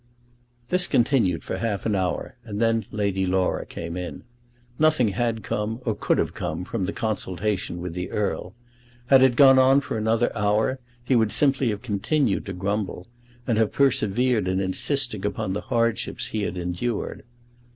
This continued for half an hour, and then Lady Laura came in. Nothing had come, or could have come, from the consultation with the Earl. Had it gone on for another hour, he would simply have continued to grumble, and have persevered in insisting upon the hardships he endured.